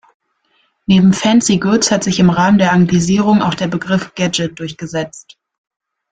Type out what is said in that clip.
Neben Fancy Goods hat sich im Rahmen der Anglisierung auch der Begriff Gadget durchgesetzt.